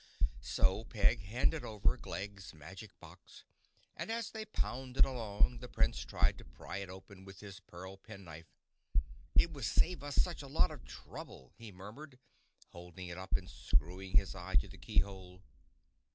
So Peg handed over Glegg's Magic Box and as they pounded along the Prince tried to pry it open with his pearl pen knife. "It would save us such a lot of trouble," he murmured, holding it up and screwing his eye to the keyhole.